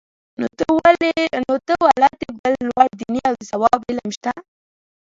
نو ته وا له دې بل لوړ دیني او د ثواب علم شته؟